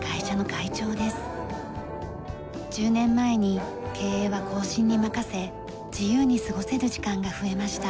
１０年前に経営は後進に任せ自由に過ごせる時間が増えました。